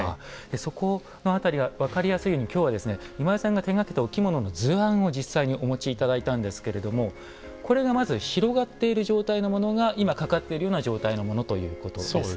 そこのあたりは分かりやすいように今日は今井さんが手がけたお着物の図案を実際にお持ちいただいたんですけれどもこれがまず広がっている状態のものが今、かかっているような状態のものということですね。